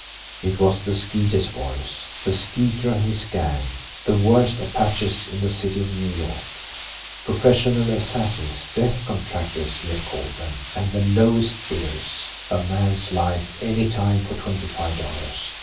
It was the Skeeter's voice. The Skeeter and his gang the worst apaches in the city of New York! Professional assassins, death contractors, he had called them and the lowest bidders! A man's life any time for twenty five dollars!